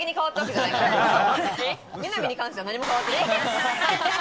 みなみに関しては何も変わってない。